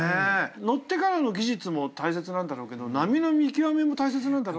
乗ってからの技術も大切なんだろうけど波の見極めも大切なんだろうね。